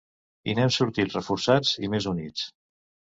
I n’hem sortit reforçats i més units.